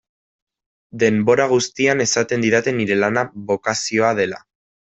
Denbora guztian esaten didate nire lana bokazioa dela.